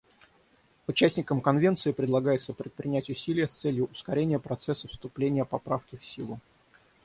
Участникам Конвенции предлагается предпринять усилия с целью ускорения процесса вступления Поправки в силу.